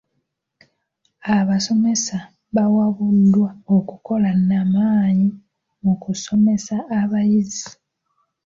Abasomesa bawabuddwa okukola n'amaanyi mu kusomesa abayizi.